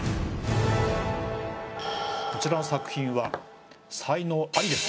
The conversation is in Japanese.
こちらの作品は。